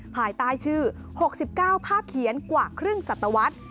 ภายใต้ชื่อ๖๙ภาพเขียนกว่าครึ่งสัตวรรษ